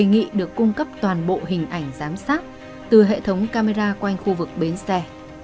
nghị được cung cấp toàn bộ hình ảnh giám sát từ hệ thống camera quanh khu vực bến xe